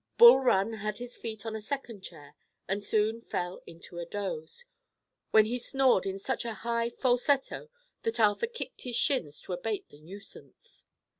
Bul Run had his feet on a second chair and soon fell into a doze, when he snored in such a high falsetto that Arthur kicked his shins to abate the nuisance.